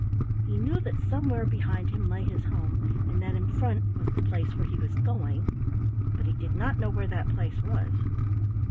He knew that somewhere behind him lay his home, and that in front was the place where he was going, but he did not know what that place was.